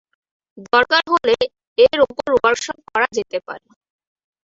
দরকার হলে এর ওপর ওয়ার্কশপ করা যেতে পারে।